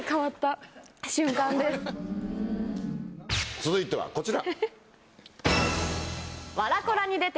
続いてはこちら。